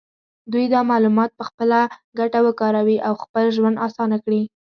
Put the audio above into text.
دوی دا معلومات په خپله ګټه وکاروي او خپل ژوند اسانه کړي.